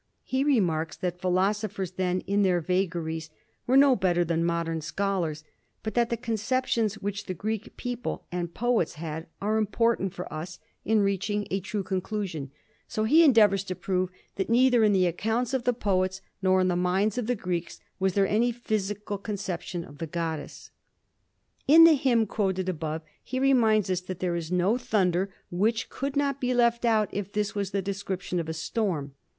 He remarks that philosophers then, in their vagaries, were no better than modern scholars, but that the conceptions which the Greek people and poets had are important for us in reaching a true conclusion; so he endeavors to prove that neither in the accounts of the poets nor in the minds of the Greeks was there any physical conception of the goddess. In the hymn quoted above he reminds us that there is no thunder which could not be left out if this were the description of a storm.